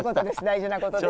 大事なことです。